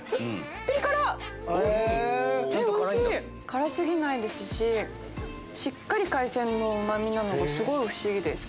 辛過ぎないですししっかり海鮮のうま味なのがすごい不思議です。